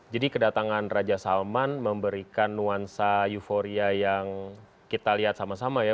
kedatangan raja salman memberikan nuansa euforia yang kita lihat sama sama ya